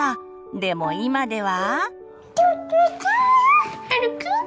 でも今では。